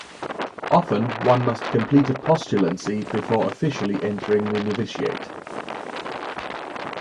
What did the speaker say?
Often one must complete a postulancy before officially entering the novitiate.